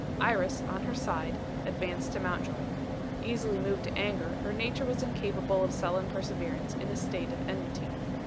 Iris, on her side, advanced to Mountjoy. Easily moved to anger, her nature was incapable of sullen perseverance in a state of enmity.